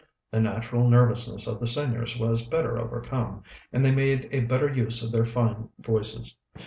The natural nervousness of the singers was better overcome, and they made a better use of their fine voices.